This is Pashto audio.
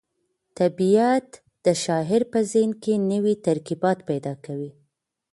طبیعت د شاعر په ذهن کې نوي ترکیبات پیدا کوي.